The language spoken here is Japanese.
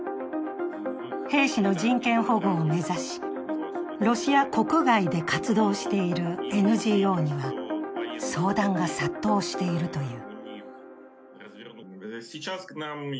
兵士の人権保護を目指し、ロシア国外で活動しているＮＧＯには相談が殺到しているという。